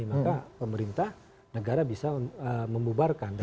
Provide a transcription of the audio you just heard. maka pemerintah negara bisa membubarkan